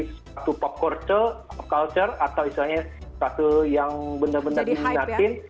suatu pop culture atau istilahnya suatu yang benar benar di natin